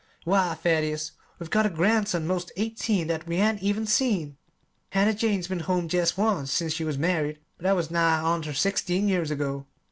Why, Thaddeus, we've got a grandson 'most eighteen, that we hain't even seen! Hannah Jane's been home jest once since she was married, but that was nigh on ter sixteen years ago.